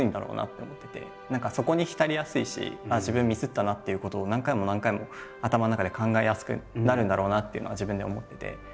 何かそこに浸りやすいしああ自分ミスったなっていうことを何回も何回も頭の中で考えやすくなるんだろうなっていうのは自分で思ってて。